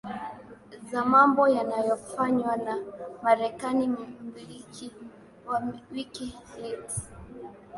za mambo yanayofanywa na marekani mmiliki wa wiki leaks